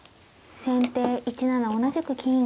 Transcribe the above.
先手１七同じく金。